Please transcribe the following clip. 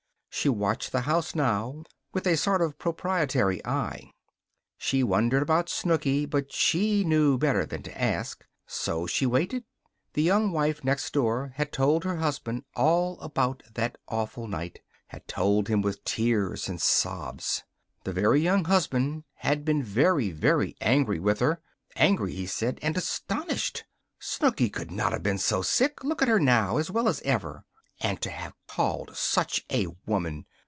She watched the house now with a sort of proprietary eye. She wondered about Snooky; but she knew better than to ask. So she waited. The Young Wife next door had told her husband all about that awful night had told him with tears and sobs. The Very Young Husband had been very, very angry with her angry, he said, and astonished! Snooky could not have been so sick! Look at her now! As well as ever. And to have called such a woman!